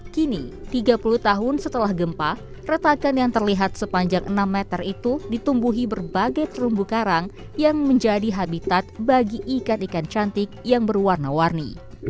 kini tiga puluh tahun setelah gempa retakan yang terlihat sepanjang enam meter itu ditumbuhi berbagai terumbu karang yang menjadi habitat bagi ikan ikan cantik yang berwarna warni